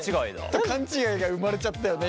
勘違いが生まれちゃったよね